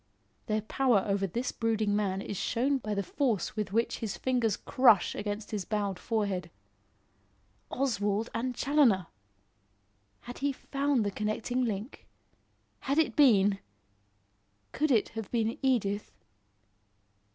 Their power over this brooding man is shown by the force with which his fingers crush against his bowed forehead. Oswald and Challoner! Had he found the connecting link? Had it been could it have been Edith?